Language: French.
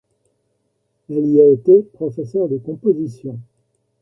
Elle y a été professeur de composition.